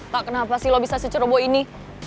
tak kenapa sih lo bisa seceroboh ini